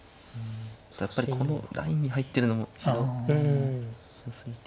やっぱりこのラインに入ってるのもひどいひどすぎて。